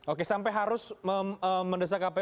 oke sampai harus mendesak kpu